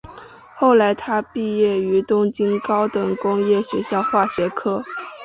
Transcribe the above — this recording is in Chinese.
后来他毕业于东京高等工业学校化学科。